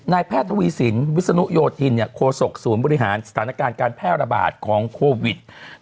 แพทย์ทวีสินวิศนุโยธินโคศกศูนย์บริหารสถานการณ์การแพร่ระบาดของโควิด